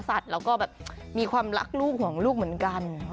เราก็แบบมีความรักลูกห่วงลูกเหมือนกัน